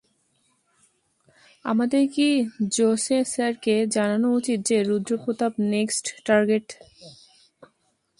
আমাদের কি জোসে স্যারকে জানানো উচিত যে রুদ্র প্রতাপ নেক্সট টার্গেট?